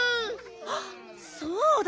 あっそうだ。